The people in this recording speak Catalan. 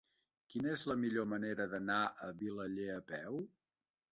Quina és la millor manera d'anar a Vilaller a peu?